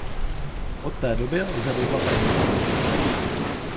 Od té doby lze do zlata investovat.